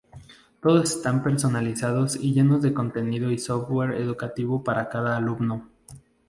Todos están personalizados y llenos de contenidos y software educativo para cada alumno.